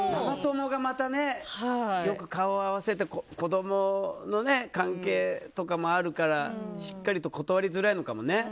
ママ友がまたねよく顔を合わせて子供の関係とかもあるからしっかりと断りづらいのかもね。